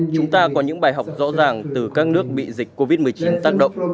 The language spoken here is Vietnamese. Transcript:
chúng ta có những bài học rõ ràng từ các nước bị dịch covid một mươi chín tác động